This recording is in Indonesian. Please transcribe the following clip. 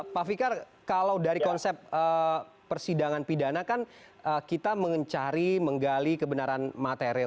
pak fikar kalau dari konsep persidangan pidana kan kita mencari menggali kebenaran material